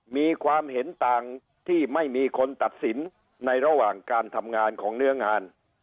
มีความเห็นต่างที่ไม่มีคนตัดสินในระหว่างการทำงานของเนื้องาน